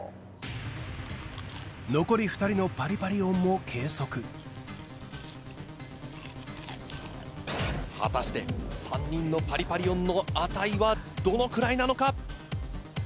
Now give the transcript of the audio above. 残り２人のパリパリ音も計測果たして３人のパリパリ音の値はどのくらいなのか？